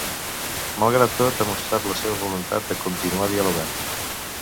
Malgrat tot, ha mostrat la seva voluntat de continuar dialogant.